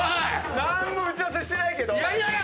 何も打ち合わせしてない！